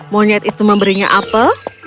monyet itu memberinya apel